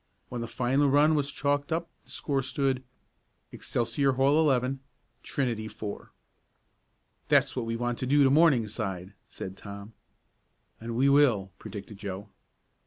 When the final run was chalked up the score stood: Excelsior Hall, 11; Trinity, 4. "That's what we want to do to Morningside," said Tom. "And we will!" predicted Joe.